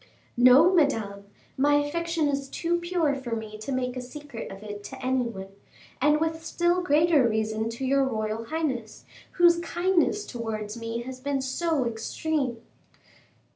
"No, Madame, my affection is too pure for me to make a secret of it to any one, and with still greater reason to your royal highness, whose kindness towards me has been so extreme.